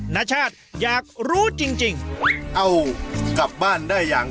นัชชาติอยากรู้จริง